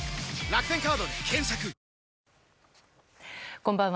こんばんは。